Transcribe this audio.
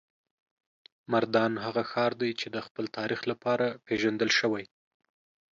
مردان هغه ښار دی چې د خپل تاریخ لپاره پیژندل شوی.